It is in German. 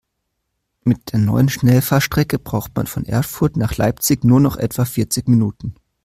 Mit der neuen Schnellfahrstrecke braucht man von Erfurt nach Leipzig nur noch etwa vierzig Minuten